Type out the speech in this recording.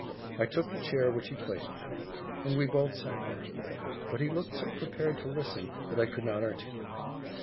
I took the chair which he placed for me, and we both sat down: but he looked so prepared to listen, that I could not articulate.